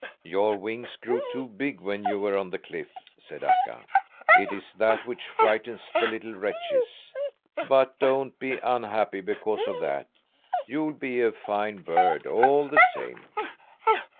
"Your wings grew too big when you were on the cliff," said Akka. "It is that which frightens the little wretches. But don't be unhappy because of that. You'll be a fine bird all the same."